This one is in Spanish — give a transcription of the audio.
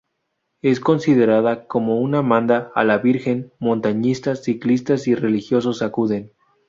Es considerada como una manda a la virgen; montañistas, ciclistas y religiosos acuden.